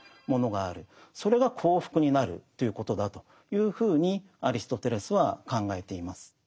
それが幸福になるということだというふうにアリストテレスは考えています。